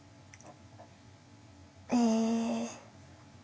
え。